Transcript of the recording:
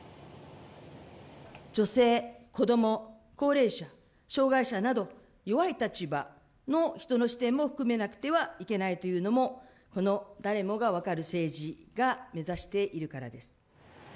女性、子ども、高齢者、障害者など、弱い立場の人の視点も含めなくてはいけないというのも、誰もが分かる政治を目指しているからです。